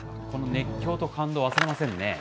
この熱狂と感動、忘れませんね。